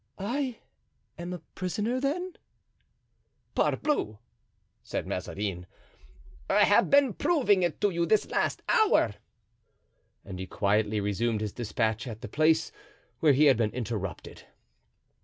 "I am a prisoner, then?" "Parbleu!" said Mazarin, "I have been proving it to you this last hour." And he quietly resumed his dispatch at the place where he had been interrupted.